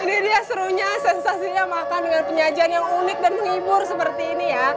ini dia serunya sensasinya makan dengan penyajian yang unik dan menghibur seperti ini ya